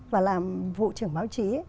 và làm vụ trưởng báo chí